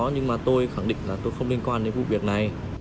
nhưng mà tôi khẳng định là tôi không liên quan đến vụ việc này